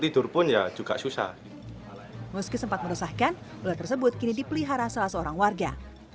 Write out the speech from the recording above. tidur pun ya juga susah meski sempat meresahkan ular tersebut kini dipelihara salah seorang warga